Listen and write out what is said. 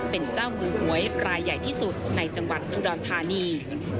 เป็นเจ้ามือหวยรายใหญ่ที่สุดในจังหวัดอุดรธานี